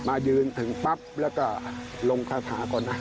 ยืนถึงปั๊บแล้วก็ลงคาถาก่อนนะ